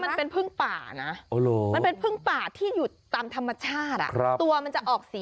หรอมันเป็นผึ้งป่าที่อยู่ตามธรรมชาติตัวมันจะออกสี